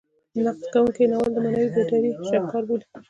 نقد کوونکي ناول د معنوي بیدارۍ شاهکار بولي.